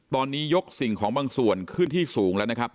ตอนนี้ยกสิ่งของบางส่วนขึ้นที่สูงแล้วนะครับ